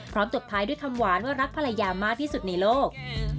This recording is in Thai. ตบท้ายด้วยคำหวานว่ารักภรรยามากที่สุดในโลก